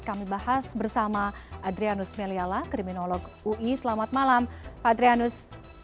kami bahas bersama adrianus meliala kriminolog ui selamat malam pak adrianus